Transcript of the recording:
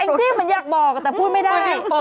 แองจี้มันอยากบอกแต่พูดไม่ได้